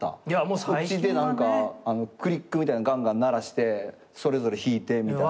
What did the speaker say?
こっちで何かクリックみたいなのガンガン鳴らしてそれぞれ弾いてみたいな。